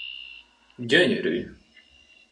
Gyönyörű!